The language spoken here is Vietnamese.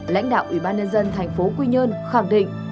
lãnh đạo ủy ban nhân dân thành phố quy nhơn khẳng định